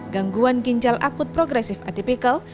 gangguan ginjal akut progresif atipikal